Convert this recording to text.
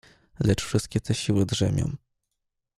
"Lecz wszystkie te siły „drzemią“."